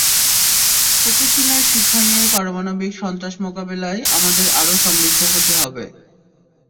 ফুকুশিমার শিক্ষা নিয়ে পারমাণবিক সন্ত্রাস মোকাবিলায় আমাদের আরও সমৃদ্ধ হতে হবে।